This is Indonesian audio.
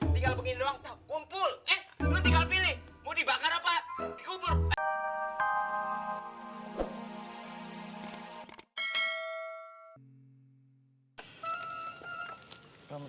describes kumpul memilih really bakar apa